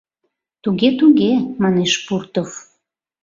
— Туге-туге, — манеш Пуртов.